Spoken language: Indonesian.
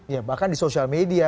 ya bahkan di sosial media